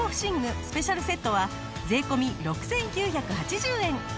スペシャルセットは税込６９８０円。